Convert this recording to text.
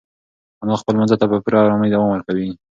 انا خپل لمانځه ته په پوره ارامۍ دوام ورکوي.